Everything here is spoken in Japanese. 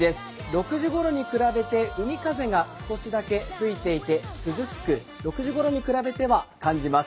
６時ごろに比べて海風が少しだけ吹いていて涼しく６時ごろに比べては、感じます。